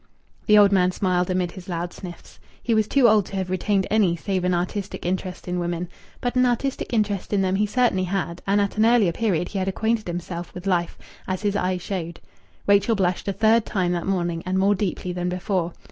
The old man smiled amid his loud sniffs. He was too old to have retained any save an artistic interest in women. But an artistic interest in them he certainly had; and at an earlier period he had acquainted himself with life, as his eye showed. Rachel blushed a third time that morning, and more deeply than before.